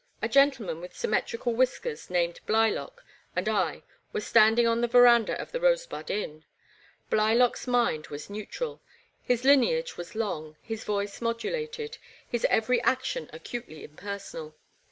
A gentleman with symmetrical whiskers named Blylock, and I were standing on the verandah of the Rosebud Inn. Blylock' s mind was neutral. His lineage was long, his voice modulated, his every action acutely impersonal.